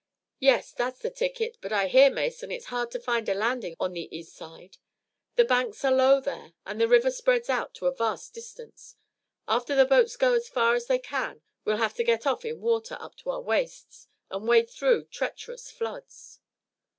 "Yes, that's the ticket, but I hear, Mason, it's hard to find a landing on the east side. The banks are low there and the river spreads out to a vast distance. After the boats go as far as they can we'll have to get off in water up to our waists and wade through treacherous floods."